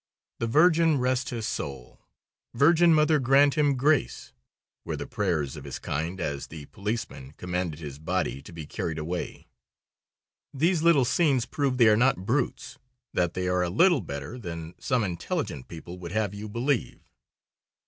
"The Virgin rest his soul;" "Virgin Mother grant him grace," were the prayers of his kind as the policeman commanded his body to be carried away. These little scenes prove they are not brutes, that they are a little better than some intelligent people would have you believe.